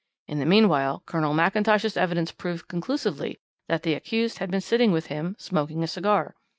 In the meanwhile Colonel McIntosh's evidence proved conclusively that the accused had been sitting with him, smoking a cigar.